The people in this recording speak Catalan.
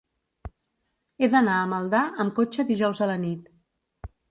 He d'anar a Maldà amb cotxe dijous a la nit.